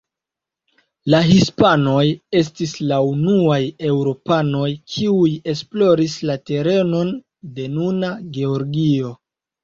La hispanoj estis la unuaj eŭropanoj, kiuj esploris la terenon de nuna Georgio.